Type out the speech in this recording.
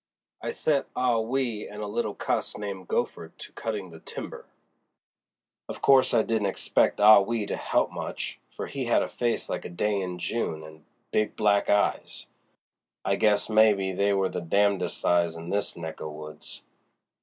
I set Ah Wee and a little cuss named Gopher to cutting the timber. Of course I didn't expect Ah Wee to help much, for he had a face like a day in June and big black eyes—I guess maybe they were the damn'dest eyes in this neck o' woods."